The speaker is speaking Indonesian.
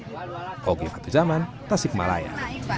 kogifat ujaman tasik malaya